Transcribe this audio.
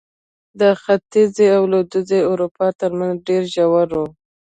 د ختیځې او لوېدیځې اروپا ترمنځ ډېر ژور و.